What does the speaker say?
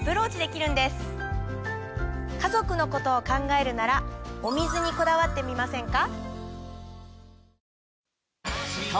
家族のことを考えるならお水にこだわってみませんか？